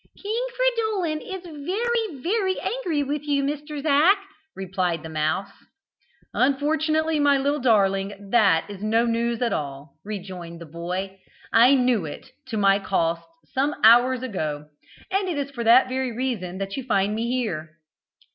"King Fridolin is very, very angry with you, Mr. Zac," replied the mouse. "Unfortunately, my little darling, that is no news at all," rejoined the boy; "I knew it, to my cost, some hours ago, and it is for that very reason that you find me here."